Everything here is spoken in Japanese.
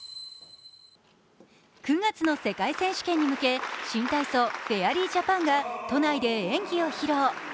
９月の世界選手権に向け新体操・フェアリージャパンが都内で演技を披露。